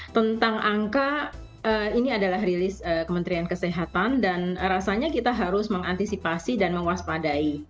tentang angka ini adalah rilis kementerian kesehatan dan rasanya kita harus mengantisipasi dan mewaspadai